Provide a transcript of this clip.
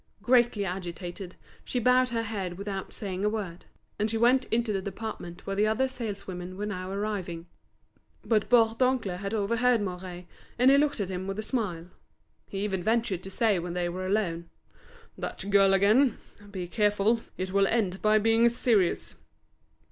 Greatly agitated, she bowed her head without saying a word. And she went into the department where the other saleswomen were now arriving. But Bourdoncle had overheard Mouret, and he looked at him with a smile. He even ventured to say when they were alone: "That girl again! Be careful; it will end by being serious!"